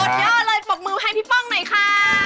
เราก็เลยปลอกมือให้พี่ป้องหน่อยค่า